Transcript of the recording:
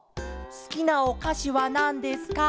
すきなおかしはなんですか？